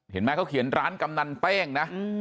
เห็นไหมเขาเขียนร้านกำนันเป้งนะ